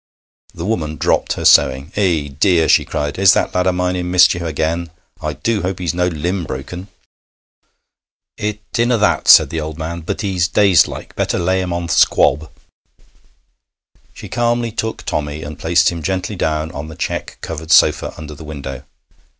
The woman dropped her sewing. 'Eh, dear!' she cried, 'is that lad o' mine in mischief again? I do hope he's no limb brokken.' 'It in'na that,' said the old man, 'but he's dazed like. Better lay him on th' squab.' She calmly took Tommy and placed him gently down on the check covered sofa under the window.